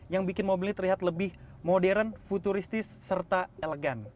yang bikin mobilnya terlihat lebih modern futuristis serta elegan